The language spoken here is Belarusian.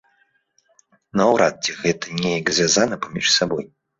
Наўрад ці гэта неяк звязана паміж сабой.